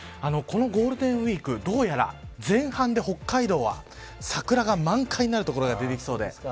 ゴールデンウイークどうやら前半で北海道は桜が満開になる所が出てきそうです。